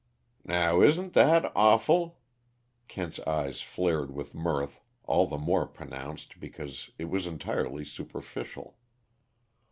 "Now isn't that awful?" Kent's eyes flared with mirth, all the more pronounced because it was entirely superficial.